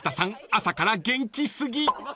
朝から元気過ぎ］